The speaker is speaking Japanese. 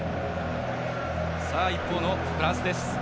一方のフランスです。